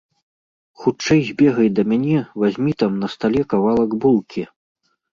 Хутчэй збегай да мяне, вазьмі там на стале кавалак булкі.